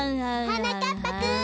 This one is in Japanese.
はなかっぱくん！